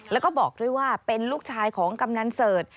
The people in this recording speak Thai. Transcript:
แล้วก็บอกด้วยว่าเป็นลูกชายของกำนันเสิร์ช